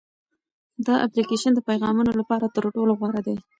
دا اپلیکیشن د پیغامونو لپاره تر ټولو غوره دی.